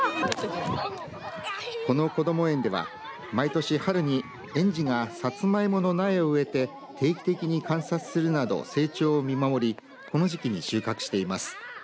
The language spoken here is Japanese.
このこども園では毎年春に園児がサツマイモの苗を植えて定期的に観察するなど成長を見守りこの時期に収穫しています。